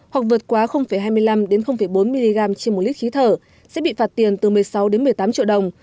hoặc vượt quá hai mươi năm bốn mg trên một lít khí thở sẽ bị phạt tiền từ một mươi sáu một mươi tám triệu đồng